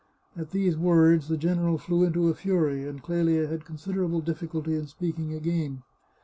At these words the general flew into a fury, and Clelia had considerable diffi culty in speaking again.